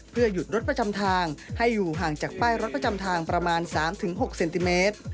เพื่อหยุดรถประจำทางให้อยู่ห่างจากป้ายรถประจำทางประมาณ๓๖เซนติเมตร